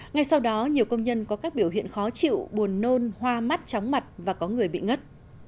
ngay sau đó nhiều công nhân có các biểu hiện khó chịu buồn nôn hoa mắt tróng mặt và có người bị ngất